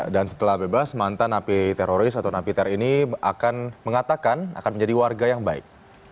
dan setelah bebas mantan napi teroris atau napi ter ini akan mengatakan akan menjadi warga yang baik